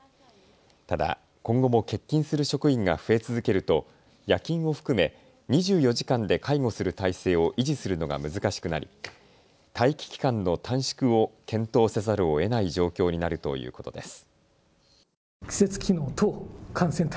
ただ、今後も欠勤する職員が増え続けると夜勤を含め２４時間で介護する態勢を維持するのが難しくなり待機期間の短縮を検討せざるをえない状況になるということです。